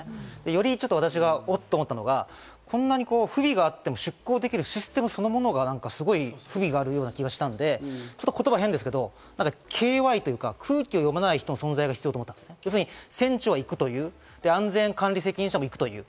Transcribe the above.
より私がおっ？と思ったのが、こんなに不備があっても出航できるシステムそのものがすごい不備があるような気がしたんで、言葉変ですけど、ＫＹというか空気を読まない人、船長は行くという、安全管理責任者も行くという。